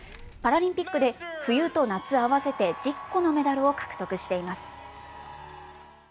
パラリンピックで冬と夏、合わせて１０個のメダルを獲得しています。